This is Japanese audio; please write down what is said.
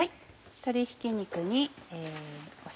鶏ひき肉に塩。